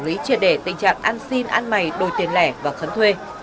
và xử lý triệt đề tình trạng ăn xin ăn mày đổi tiền lẻ và khấn thuê